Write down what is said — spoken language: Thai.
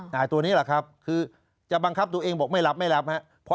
แต่ตัวนี้แหละครับคือจะบังคับตัวเองบอกไม่หลับไม่หลับครับ